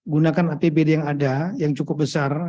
gunakan apbd yang ada yang cukup besar